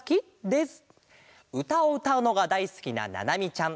うたをうたうのがだいすきなななみちゃん。